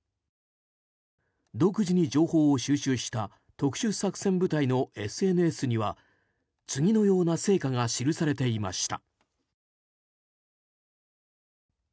独自に情報を収集した特殊作戦部隊のＳＮＳには次のような成果が記されていました。